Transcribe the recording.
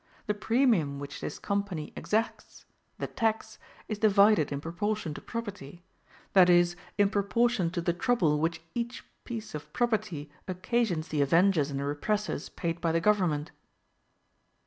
The premium which this company exacts, the tax, is divided in proportion to property; that is, in proportion to the trouble which each piece of property occasions the avengers and repressers paid by the government.